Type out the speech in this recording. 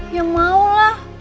ya mau lah